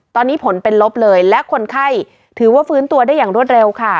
ตอนนี้ผลเป็นลบเลยและคนไข้ถือว่าฟื้นตัวได้อย่างรวดเร็วค่ะ